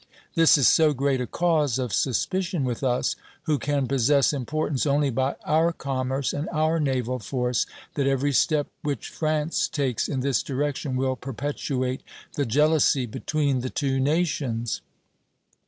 This is so great a cause of suspicion with us, who can possess importance only by our commerce and our naval force, that every step which France takes in this direction will perpetuate the jealousy between the two nations."